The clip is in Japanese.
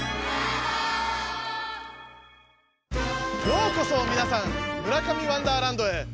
ようこそみなさん「村上ワンダーランド」へ。